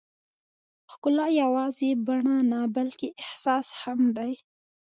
ښکلا یوازې بڼه نه، بلکې احساس هم دی.